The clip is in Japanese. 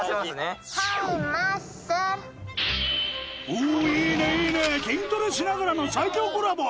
おいいねいいね筋トレしながらの最強コラボ